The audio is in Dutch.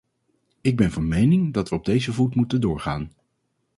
Ik ben van mening dat we op deze voet moeten doorgaan.